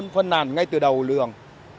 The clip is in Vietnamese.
phân làn ngay từ đầu đường